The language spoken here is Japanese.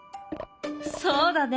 そうだね。